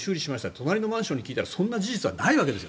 隣のマンションに聞いたらそんな事実はないわけですよ。